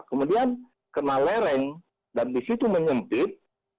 kemudian kena lereng dan di situ menyempit